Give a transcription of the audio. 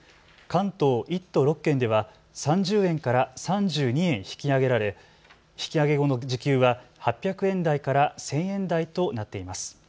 関東１都６県では３０円から３２円引き上げられ引き上げ後の時給は８００円台から１０００円台となっています。